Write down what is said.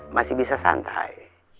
masih bisa santai